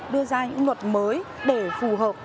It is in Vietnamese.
đưa ra những luật mới để phù hợp